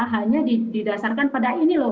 hanya didasarkan pada ini loh